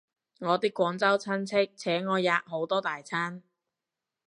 我啲廣州親戚請我吔好多大餐